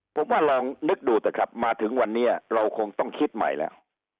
ผมว่าลองนึกดูเถอะครับมาถึงวันนี้เราคงต้องคิดใหม่แล้ว